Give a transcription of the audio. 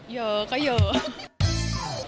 เยอะก็เยอะ